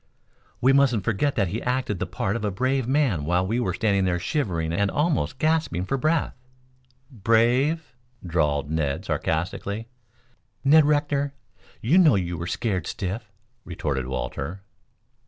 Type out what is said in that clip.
"We mustn't forget that he acted the part of a brave man while we were standing there shivering and almost gasping for breath." "Brave?" drawled Ned sarcastically. "Ned Rector, you know you were scared stiff," retorted Walter.